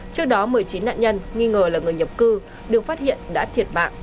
trước đó một mươi chín nạn nhân nghi ngờ là người nhập cư được phát hiện đã thiệt mạng